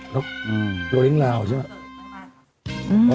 โรงเรียนราวใช่ปะ